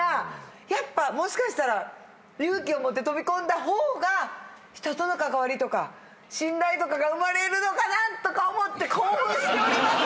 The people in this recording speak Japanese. やっぱもしかしたら勇気を持って飛び込んだ方が人との関わりとか信頼とかが生まれるのかなとか思って興奮しております。